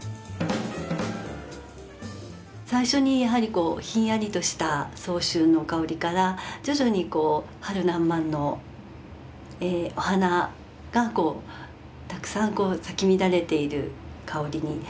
最初にやはりひんやりとした早春の香りから徐々に春らんまんのお花がたくさん咲き乱れている香りに。